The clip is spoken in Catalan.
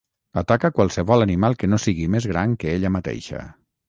Ataca qualsevol animal que no sigui més gran que ella mateixa.